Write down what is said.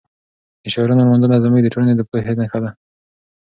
د شاعرانو لمانځنه زموږ د ټولنې د پوهې نښه ده.